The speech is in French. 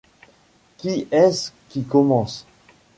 Qui est-ce qui commence ?